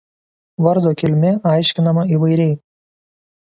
Vardo kilmė aiškinama įvairiai.